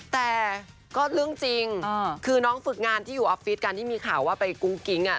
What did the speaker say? แต่ก็เรื่องจริงคือน้องฝึกงานที่อยู่ออฟฟิศกันที่มีข่าวว่าไปกุ้งกิ๊ง